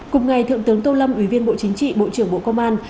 cùng ngày thượng tướng tô lâm ủy viên bộ chính trị bộ trưởng bộ công an